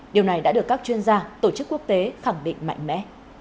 điều này đã được các chuyên gia tổ chức quốc tế khẳng định mạnh mẽ